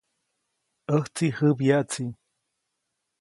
ʼÄjtsi jäbyaʼtsi.